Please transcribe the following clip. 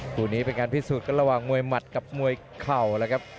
คู่นี้เป็นการพิสูจน์กันระหว่างมวยหมัดกับมวยเข่าแล้วครับ